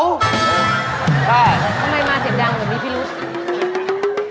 ทำไมมาเสียงดังอยู่นี้พี่รู้สิ